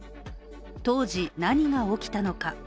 当時、何が起きたのか？